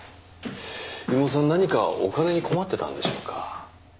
妹さん何かお金に困ってたんでしょうか？